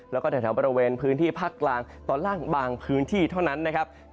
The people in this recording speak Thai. แล้วก็แถวบริเวณพื้นที่ภาคกลางตอนล่างบางพื้นที่เท่านั้นนะครับ